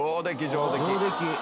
上出来。